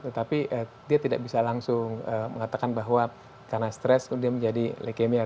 tetapi dia tidak bisa langsung mengatakan bahwa karena stres dia menjadi leukemia